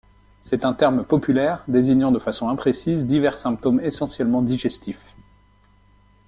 C'est un terme populaire désignant de façon imprécise divers symptômes essentiellement digestifs.